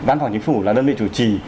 văn phòng chính phủ là đơn vị chủ trì